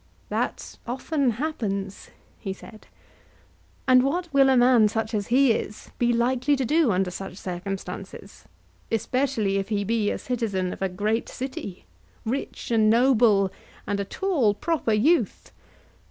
That often happens, he said. And what will a man such as he is be likely to do under such circumstances, especially if he be a citizen of a great city, rich and noble, and a tall proper youth?